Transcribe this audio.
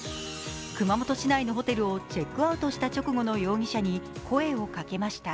熊本市内のホテルをチェックアウトした直後の容疑者に声をかけました。